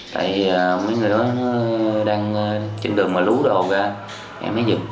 tại mấy người đó đang trên đường mà lú đồ ra em mới giữ